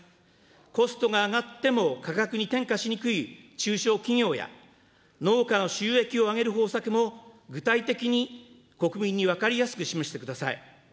コストが上がっても価格に転嫁しにくい中小企業や、農家の収益を上げる方策も具体的に国民に分かりやすく示してください。